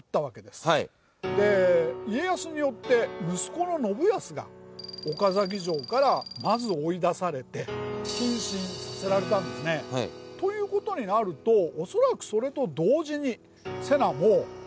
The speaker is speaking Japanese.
で家康によって息子の信康が岡崎城からまず追い出されて謹慎させられたんですね。ということになるとおそらくそれと同時に。